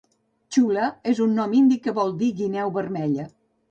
Chula és un nom indi que vol dir "guineu vermella".